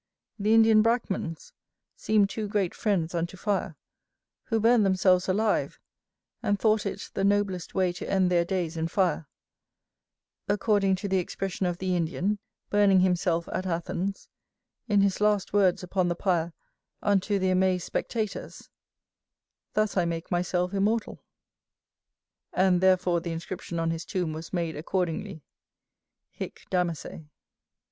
The Indian Brachmans seemed too great friends unto fire, who burnt themselves alive and thought it the noblest way to end their days in fire; according to the expression of the Indian, burning himself at Athens, in his last words upon the pyre unto the amazed spectators, "thus I make myself immortal."[AG] [AG] And therefore the inscription on his tomb was made accordingly, "Hic Damase."